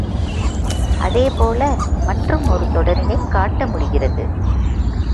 அதே போல மற்றும் ஒரு தொடரினைக் காட்ட முடிகிறது.